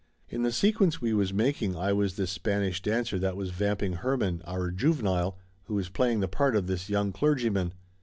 In the sequence we was making I was this Spanish dancer that was vamping Herman, our juvenile, who was playing the part of this young clergyman.